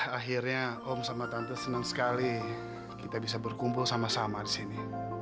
akhirnya om sama tante senang sekali kita bisa berkumpul sama sama di sini